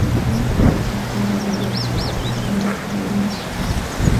Un hotel fue construido al lado para los peregrinos.